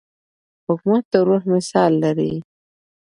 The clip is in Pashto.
حکومت د روح مثال لري.